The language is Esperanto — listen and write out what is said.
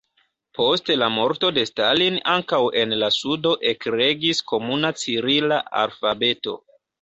Post la morto de Stalin ankaŭ en la sudo ekregis komuna cirila alfabeto.